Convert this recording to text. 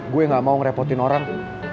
gue gak mau ngerepotin orang